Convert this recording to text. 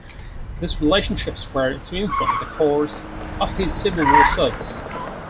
These relationships were to influence the course of his Civil War service.